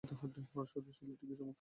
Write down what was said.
আর সতীশ ছেলেটি কী চমৎকার!